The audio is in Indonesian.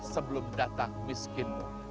sebelum datang miskinmu